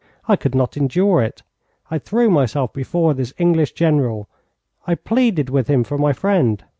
I could not endure it. I threw myself before this English General. I pleaded with him for my friend.